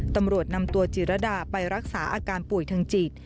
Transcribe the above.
ตำรวจนำตัวจิรดาไปรักษาอาการป่วยทางจิต